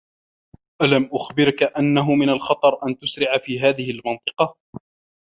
ألم أخبرك أنّه من الخطر أن تسرع في هذه المنطقة؟